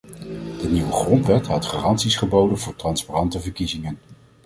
De nieuwe grondwet had garanties geboden voor transparante verkiezingen.